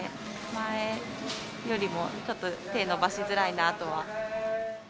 前よりもちょっと手伸ばしづらいなとは。